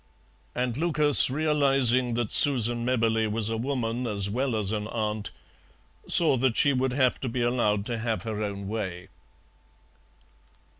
"' And Lucas, realizing that Susan Mebberley was a woman as well as an aunt, saw that she would have to be allowed to have her own way.